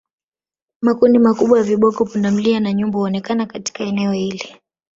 Makundi makubwa ya viboko pundamilia na nyumbu huonekana katika eneo hili